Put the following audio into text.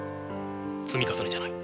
積み重ねじゃない。